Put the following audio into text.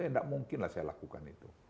tidak mungkin lah saya lakukan itu